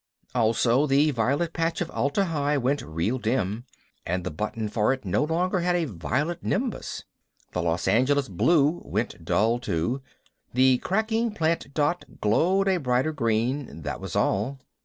Also, the violet patch of Atla Hi went real dim and the button for it no longer had a violet nimbus. The Los Alamos blue went dull too. The cracking plant dot glowed a brighter green that was all.